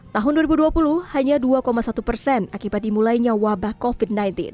tahun dua ribu dua puluh hanya dua satu persen akibat dimulainya wabah covid sembilan belas